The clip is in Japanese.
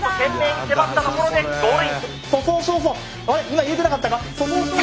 今言えてなかったか！？